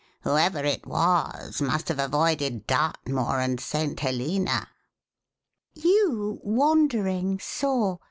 Whoever it was must have avoided Dartmoor and St. Helena." VoUy wandering, saw.